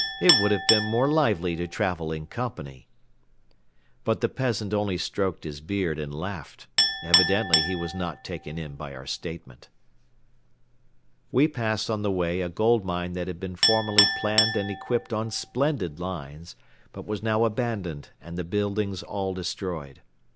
"It would have been more lively to travel in company." But the peasant only stroked his beard and laughed. Evidently he was not taken in by our statement. We passed on the way a gold mine that had been formerly planned and equipped on splendid lines but was now abandoned and the buildings all destroyed.